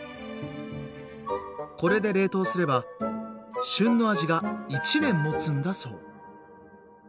これで冷凍すれば旬の味が１年もつんだそう。